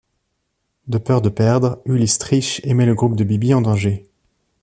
De peur de perdre, Ulysse triche et met le groupe de Bibi en danger.